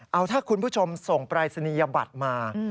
เอาถ้าคุณผู้ชมส่งปรายศนียบัตรมา